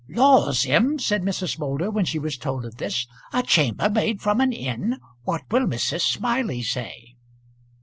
"Laws, M.," said Mrs. Moulder, when she was told of this. "A chambermaid from an inn! What will Mrs. Smiley say?"